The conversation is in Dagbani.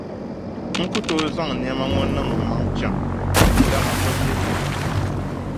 N ku tooi zaŋ nɛma ŋɔ niŋ mmaŋ’ chaŋ dama m bi mil’ li.